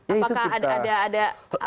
apakah ada ada ada